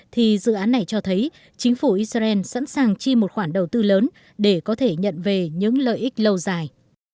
thì dự án này cho thấy chính phủ israel sẵn sàng chi một khoản đầu tư lớn để có thể nhận về những lợi ích lâu dài